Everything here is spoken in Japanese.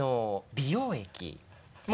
美容液？